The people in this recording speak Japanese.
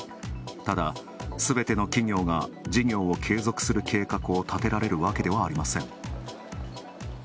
ただ、すべての企業が事業を継続する計画を立てられるわけではありません。